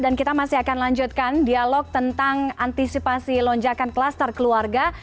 dan kita masih akan lanjutkan dialog tentang antisipasi lonjakan klaster keluarga